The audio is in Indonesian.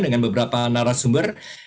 dengan beberapa narasumber